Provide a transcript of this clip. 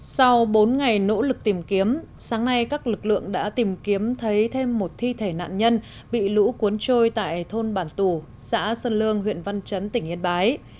sau bốn ngày nỗ lực tìm kiếm sáng nay các lực lượng đã tìm kiếm thấy thêm một thi thể nạn nhân bị lũ cuốn trôi tại thôn bản tù xã sơn lương huyện văn chấn tỉnh yên bái